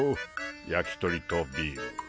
焼き鳥とビール。